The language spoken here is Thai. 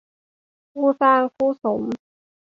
คู่สร้างคู่สม